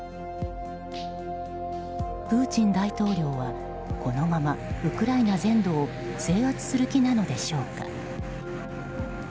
プーチン大統領はこのままウクライナ全土を制圧する気なのでしょうか。